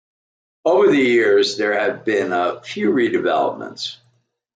Over the years, there have been a few re-developments.